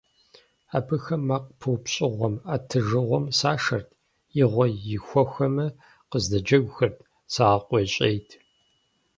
Абыхэм мэкъу пыупщӀыгъуэм, Ӏэтыжыгъуэм сашэрт, игъуэ ихуэхэмэ, кыздэджэгухэрт, сагъэкъуейщӀейт.